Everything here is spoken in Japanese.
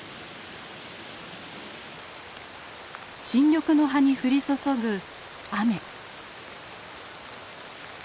新緑の葉に降り注ぐ雨。